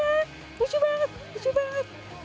lucu banget lucu banget